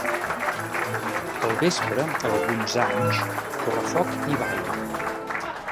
Al vespre, alguns anys, correfoc i ball.